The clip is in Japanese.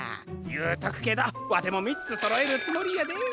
ゆうとくけどわてもみっつそろえるつもりやで。